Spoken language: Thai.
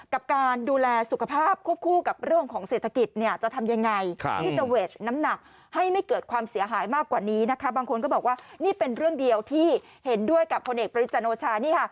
กับการดูแลสุขภาพควบคู่กับเรื่องของเศรษฐกิจ